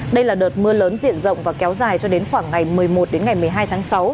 đây là đợt mưa lớn diện rộng và kéo dài cho đến khoảng ngày một mươi một đến ngày một mươi hai tháng sáu